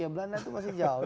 belanda itu masih jauh